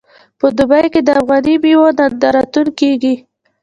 په دوبۍ کې د افغاني میوو نندارتون کیږي.